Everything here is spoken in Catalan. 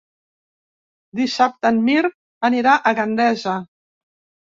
Dissabte en Mirt anirà a Gandesa.